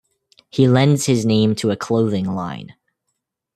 He lends his name to a clothing line.